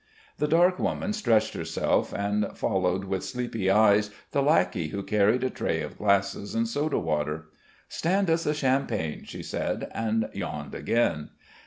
The dark woman stretched herself, and followed with sleepy eyes the lackey who carried a tray of glasses and soda water. "Stand us a champagne," she said, and yawned again.